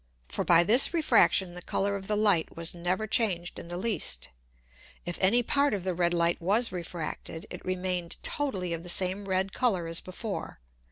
For by this Refraction the Colour of the Light was never changed in the least. If any Part of the red Light was refracted, it remained totally of the same red Colour as before.